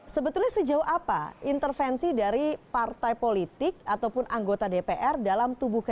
sebetulnya sejauh apa intervensi dari partai politik ataupun anggota dpr dalam tubuh kpk